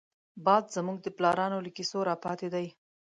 باد زمونږ د پلارانو له کيسو راپاتې دی